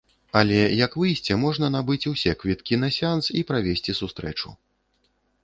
Але як выйсце можна набыць усе квіткі на сеанс і правесці сустрэчу.